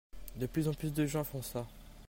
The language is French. De plus en plus de gens font ça.